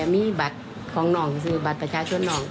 มีบัตรของหนองบัตรประชาชนหนอง